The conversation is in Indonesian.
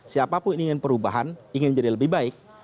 siapapun ingin perubahan ingin jadi lebih baik